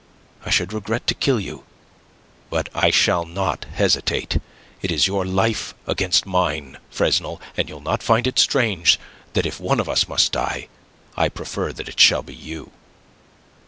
I should regret to kill you, but I shall not hesitate. It is your life against mine, Fresnel; and you'll not find it strange that if one of us must die I prefer that it shall be you."